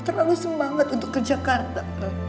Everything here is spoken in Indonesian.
terlalu semangat untuk ke jakarta